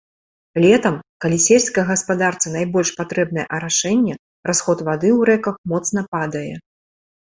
Летам, калі сельскай гаспадарцы найбольш патрэбнае арашэнне, расход вады ў рэках моцна падае.